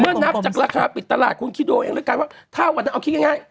เมื่อนับจากราคาปิดตลาดคุณคิดดูเองแล้วกันว่าเท่ากว่านั้นเอาคิดยังไง